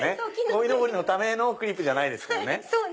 こいのぼりのためのクリップじゃないですからね。